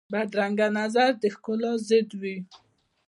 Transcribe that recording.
بدرنګه نظر د ښکلا ضد وي